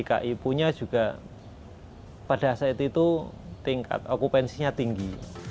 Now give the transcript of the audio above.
jadi kak ipunya juga pada saat itu tingkat okupansinya tinggi